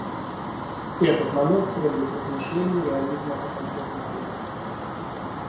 И этот момент требует размышлений, реализма и конкретных действий.